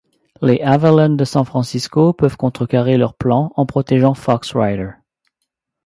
Les Avalon de San Francisco veulent contrecarrer leurs plans en protégeant Fox Ryder.